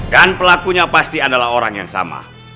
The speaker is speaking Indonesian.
dan pelakunya pasti adalah orang yang sama